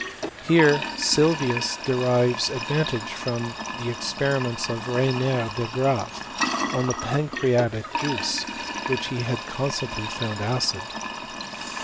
Here Sylvius de rives advantage from the experiments of Regnier de Graaf on the pancreatic juice, which he had constantly found acid.